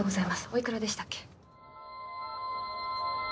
おいくらでしたっけ？